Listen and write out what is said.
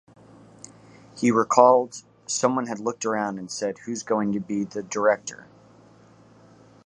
He recalled: Someone had looked around and said, 'Who's going to be the director?